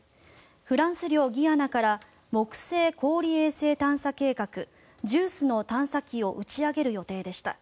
フランス領ギアナから木星氷衛星探査計画・ＪＵＩＣＥの探査機を打ち上げる予定でした。